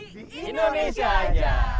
di indonesia aja